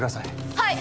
はい！